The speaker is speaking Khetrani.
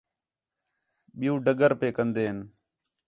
ٻِیؤ ڈگر پئے کندے ہین